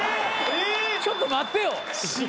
ちょっと待ってよ